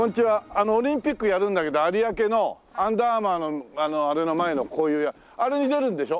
あのオリンピックやるんだけど有明のＵＮＤＥＲＡＲＭＯＵＲのあれの前のこういうあれに出るんでしょ？